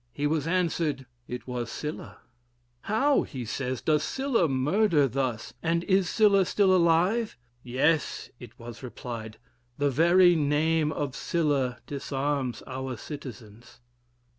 He was answered, it was Sylla: 'How,' says he, 'does Sylla murder thus, and is Sylla still alive?' 'Yes,' it was replied, 'the very name of Sylla disarms our citizens.'